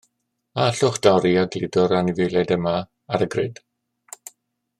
A allwch dorri a gludo'r anifeiliaid yma ar y grid?